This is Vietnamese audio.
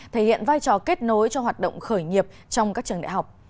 thể hiện vai trò kết nối cho hoạt động khởi nghiệp trong các trường đại học